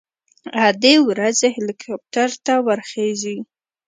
ادې ورځي هليكاپټر ته ورخېژي.